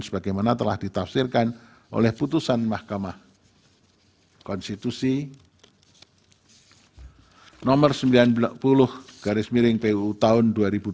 sebagaimana telah ditafsirkan oleh putusan mahkamah konstitusi nomor sembilan belas puu tahun dua ribu dua puluh